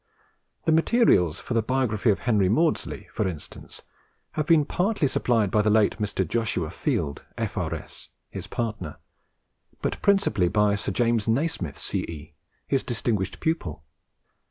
The materials for the biography of Henry Maudslay, for instance, have been partly supplied by the late Mr. Joshua Field, F.R.S. (his partner), but principally by Mr. James Nasmyth, C.E., his distinguished pupil.